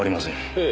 ええ。